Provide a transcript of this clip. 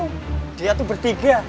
gue tau dia tuh bertiga